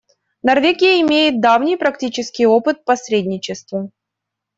Норвегия имеет давний практический опыт посредничества.